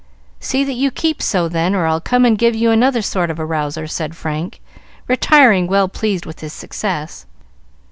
"See that you keep so, then, or I'll come and give you another sort of a rouser," said Frank, retiring well pleased with his success.